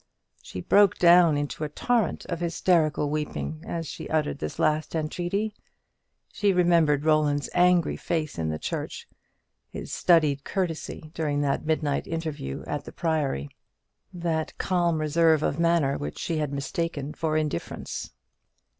She broke down into a torrent of hysterical weeping as she uttered this last entreaty. She remembered Roland's angry face in the church; his studied courtesy during that midnight interview at the Priory, the calm reserve of manner which she had mistaken for indifference.